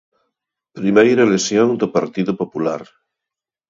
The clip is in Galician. Primeira lección do Partido Popular.